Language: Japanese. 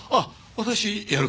私やるから。